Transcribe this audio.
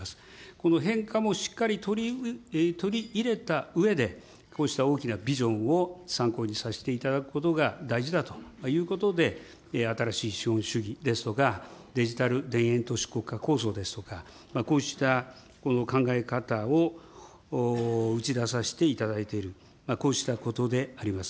この変化もしっかり取り入れたうえで、こうした大きなビジョンを参考にさせていただくことが大事だということで、新しい資本主義ですとか、デジタル田園都市国家構想ですとか、こうした考え方を打ち出させていただいている、こうしたことであります。